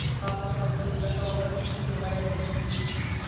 هغه حکومت چې نیوکه ومني پیاوړی پاتې کېږي